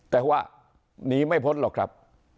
แต่ว่าหนีไม่พ้นหรอกครับ